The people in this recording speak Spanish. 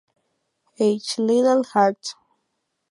H. Liddell-Hart.